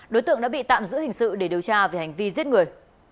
đối tượng đã bị tạm giữ hình sự để điều tra về hành vi giết người